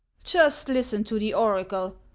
" Just listen to the oracle !